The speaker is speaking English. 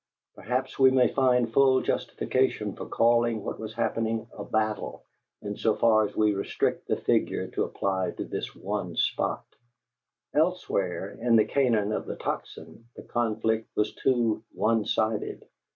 Perhaps we may find full justification for calling what was happening a battle in so far as we restrict the figure to apply to this one spot; else where, in the Canaan of the Tocsin, the conflict was too one sided.